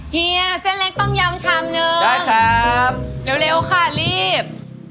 เฮียเส้นเล็กต้มยำชามนึงเร็วค่ะรีบ